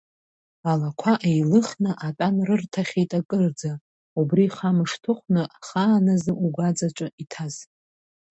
Алақәа еилыхны атәан рырҭахьеит акырӡа, абри хамышҭыхәны, ахааназы угәаҵаҿы иҭаз.